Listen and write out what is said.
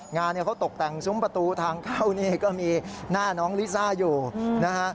งานเนี่ยเขาตกแต่งซุ้มประตูทางเข้านี่ก็มีหน้าน้องลิซ่าอยู่นะฮะ